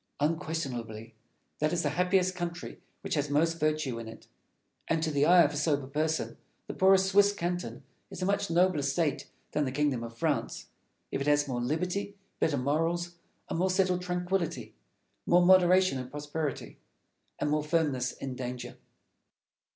Unquestionably that is the happiest country which has most virtue in it; and to the eye of sober reason the poorest Swiss canton is a much nobler state than the kingdom of France, if it has more liberty, better morals, a more settled tranquillity, more moderation in prosperity, and more firmness in danger.